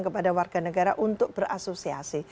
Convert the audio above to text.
kepada warga negara untuk berasosiasi